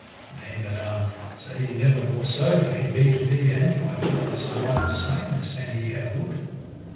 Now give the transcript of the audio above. Nay madam, say ye never more so, for he beat me and my fellows, and might have slain us an he had would.